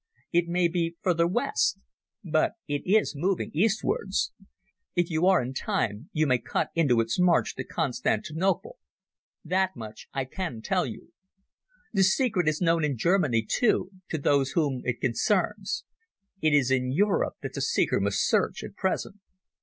It may be farther west. But it is moving eastwards. If you are in time you may cut into its march to Constantinople. That much I can tell you. The secret is known in Germany, too, to those whom it concerns. It is in Europe that the seeker must search—at present."